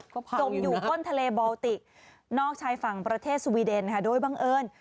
จมอยู่ก้นทะเลบอลติกนอกชายฝั่งประเทศสวีเดนค่ะโดยบังเอิญ